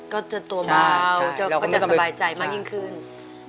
ก็จะตัวเบาก็จะสบายใจมากยิ่งขึ้น